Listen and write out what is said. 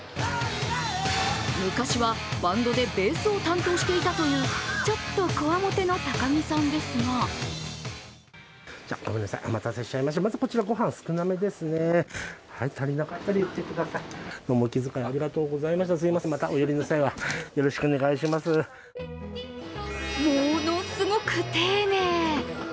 昔はバンドでベースを担当していたという、ちょっとこわもての高木さんですがものすごく丁寧！